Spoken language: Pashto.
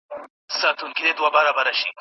که وفا که یارانه ده په دې ښار کي بېګانه ده